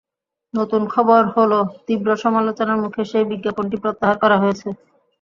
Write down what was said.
নতুন খবর হলো, তীব্র সমালোচনার মুখে সেই বিজ্ঞাপনটি প্রত্যাহার করা হয়েছে।